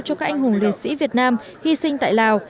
cho các anh hùng liệt sĩ việt nam hy sinh tại lào